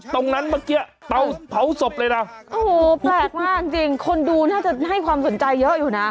เมื่อกี้เตาเผาศพเลยนะโอ้โหแปลกมากจริงจริงคนดูน่าจะให้ความสนใจเยอะอยู่นะ